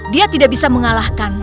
dia tidak bisa mengalahkan